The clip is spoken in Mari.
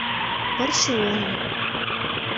пырче олым